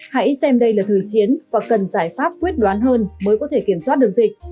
hãy xem đây là thời chiến và cần giải pháp quyết đoán hơn mới có thể kiểm soát được dịch